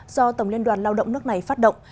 do tổng liên đoàn lao động nước này phát động